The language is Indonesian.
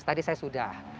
tadi saya sudah